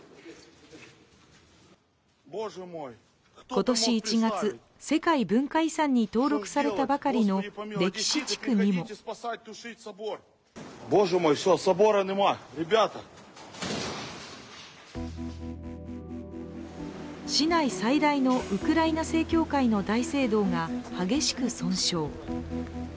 今年１月、世界文化遺産に登録されたばかりの歴史地区にも市内最大のウクライナ正教会の大聖堂が激しく損傷。